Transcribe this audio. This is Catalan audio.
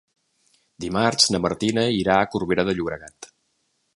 Dimarts na Martina irà a Corbera de Llobregat.